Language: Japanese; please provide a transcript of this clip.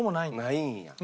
ないんや。